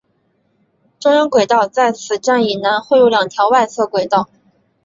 中央轨道在此站以南汇入两条外侧轨道。